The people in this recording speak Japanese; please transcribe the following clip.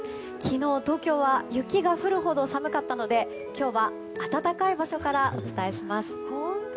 昨日、東京は雪が降るほど寒かったので今日は暖かい場所からお伝えします。